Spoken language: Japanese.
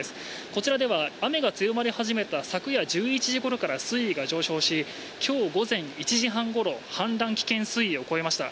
こちらでは雨が強まり始めた昨夜１１時ごろから水位が上昇し、今日午前１時半ごろ、氾濫危険水位を超えました。